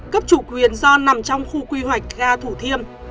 cấp chủ quyền do nằm trong khu quy hoạch ga thủ thiêm